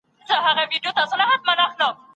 که څوک د ساینسپوه قاطعیت ولري خبره یې منل کېږي.